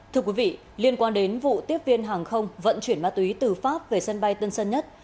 thưa quý vị liên quan đến vụ tiếp viên hàng không vận chuyển ma túy từ pháp về sân bay tân sơn nhất